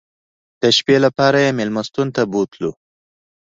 د شپې لپاره مېلمستون ته بوتلو.